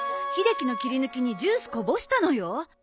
秀樹の切り抜きにジュースこぼしたのよ？